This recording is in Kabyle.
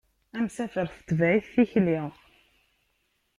Amsafer tetbeɛ-it tikli.